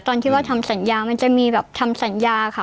ตอนที่ว่าทำสัญญามันจะมีแบบทำสัญญาค่ะ